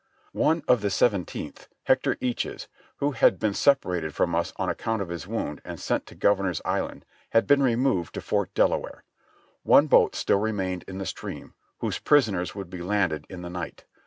One of the Seventeenth, Hector Eaches, who had been separ ated from us on account of his wound and sent to Governor's Island, had been removed to Fort Delaware. One boat still re mained in the stream, whose prisoners would be landed in the night.